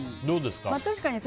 どうですか？